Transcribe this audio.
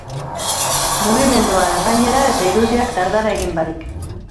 Mugimenduan, gainera, eta irudiak dardara egin barik.